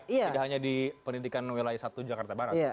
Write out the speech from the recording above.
tidak hanya di pendidikan wilayah satu jakarta barat